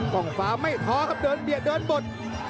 กล้องฟ้าไม่ท้อครับเดินเบียดเดินบด